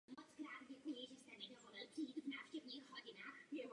Nicméně se nikdy nestala součástí hlavního proudu.